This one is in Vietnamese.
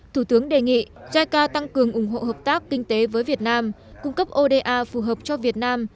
thủ tướng đề nghị jica tăng cường ủng hộ hợp tác kinh tế với việt nam cung cấp oda phù hợp cho việt nam